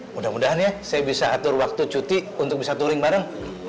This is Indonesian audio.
mudah mudahan ya saya bisa atur waktu cuti untuk bisa touring bareng